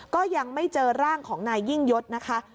ก็ยังไม่เจอร่างของนายยิ่งยศนะคะ